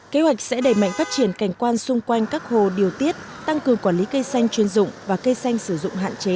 kế hoạch sẽ đẩy mạnh phát triển cảnh quan xung quanh các hồ điều tiết tăng cường quản lý cây xanh chuyên dụng và cây xanh sử dụng hạn chế